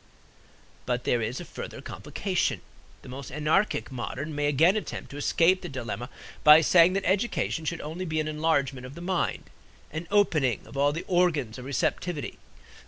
But there is a further complication. The more anarchic modern may again attempt to escape the dilemma by saying that education should only be an enlargement of the mind, an opening of all the organs of receptivity.